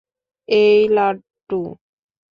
এই, লাড্ডু!